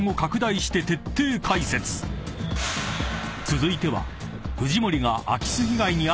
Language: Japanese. ［続いては］